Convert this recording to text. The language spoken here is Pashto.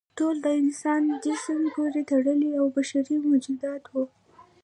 ټول د انسان جنس پورې تړلي او بشري موجودات وو.